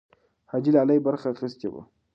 حاجي لالی برخه اخیستې وه.